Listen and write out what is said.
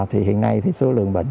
hiện nay số lượng bệnh